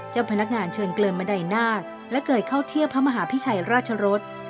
เจ้าพนักงานเชิญเกินบันไดนาคและเกิดเข้าเทียบพระมหาพิชัยราชรส